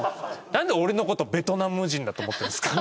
なんで俺の事ベトナム人だと思ってるんですか？